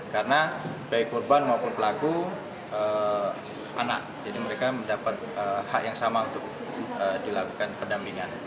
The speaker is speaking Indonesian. karena baik korban maupun pelaku anak jadi mereka mendapat hak yang sama untuk dilakukan pendampingan